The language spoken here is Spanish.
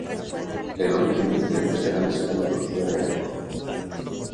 El hombre tiene antecedentes penales según la policía de Iowa.